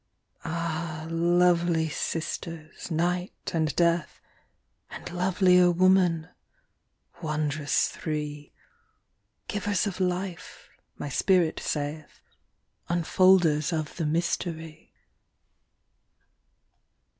Ah ! lovely sisters, Night and Death, And lovelier Woman wondrous three, " Givers of Life," my spirit saith, Unfolders of the mystery.